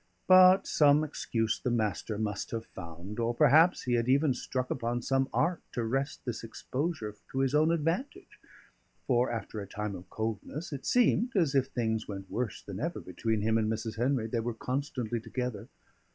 But some excuse the Master must have found, or perhaps he had even struck upon some art to wrest this exposure to his own advantage; for after a time of coldness, it seemed as if things went worse than ever between him and Mrs. Henry. They were then constantly together.